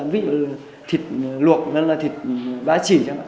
vì thịt luộc nên là thịt bạc